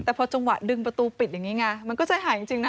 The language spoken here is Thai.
แต่พอจังหวะดึงประตูปิดอย่างนี้ไงมันก็ใจหายจริงนะ